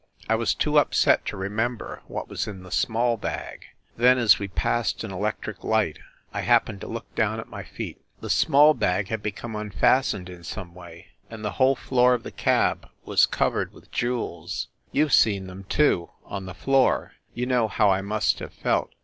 I was too upset to remember what was in the small bag. Then, as we passed an electric light I happened to look down at my feet. The small bag had become unfastened in some way, and the whole floor of the cab was covered with jewels! ... You ve seen them, too on the floor you know how I must have felt.